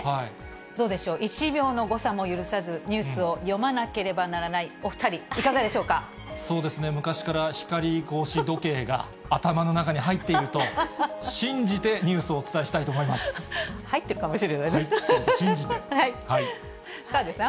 どうでしょう、１秒の誤差も許さず、ニュースを読まなければならそうですね、昔から光格子時計が頭の中に入っていると信じて、ニュースをお伝入ってるかもしれないですね。